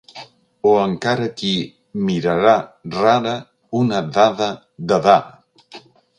O encara qui "mirarà rara una dada Dadà".